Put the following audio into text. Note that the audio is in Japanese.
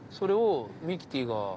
れをミキティが。